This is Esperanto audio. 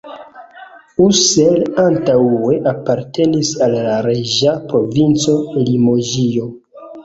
Ussel antaŭe apartenis al la reĝa provinco Limoĝio.